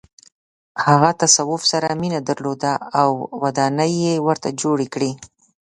هغه تصوف سره مینه درلوده او ودانۍ یې ورته جوړې کړې.